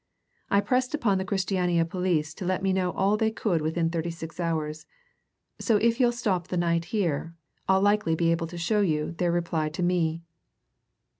I pressed upon the Christiania police to let me know all they could within thirty six hours. So if you'll stop the night here, I'll likely be able to show you their reply to me."